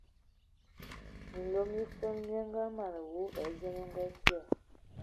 Minlo mi fol mi awu hm angəngəmə da akalɛn atɔm, fol e ngalɛdə e ligi bifəl.